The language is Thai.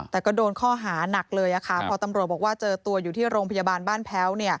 แต่ก็โดนข้อหานักเลยพอตำรวจบอกว่าเจอตัวอยู่ที่โรงพยาบาลบ้านแพ้ว